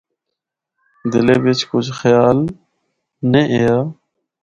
دلے بچ کجھ خیال نینھ ایہا۔